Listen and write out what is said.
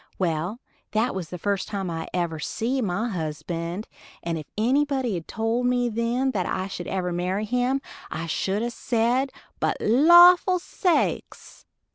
Well, that was the first time I ever see my husband, and if anybody'd a told me then that I should ever marry him, I should a said but lawful sakes!